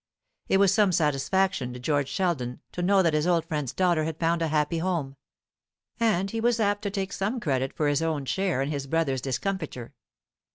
It was some satisfaction to George Sheldon to know that his old friend's daughter had found a happy home; and he was apt to take some credit from his own share in his brother's discomfiture.